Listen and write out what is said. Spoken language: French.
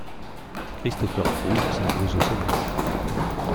Christopher Froome s'impose au sommet.